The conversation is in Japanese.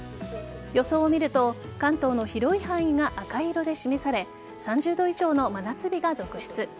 予想を見ると関東の広い範囲が赤色で示され３０度以上の真夏日が続出。